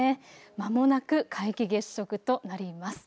まもなく皆既月食となります。